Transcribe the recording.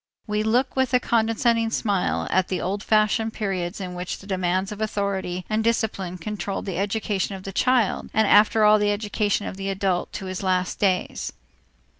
We look with a condescending smile at the old fashioned periods in which the demands of authority and discipline controlled the education of the child and after all the education of the adult to his last days.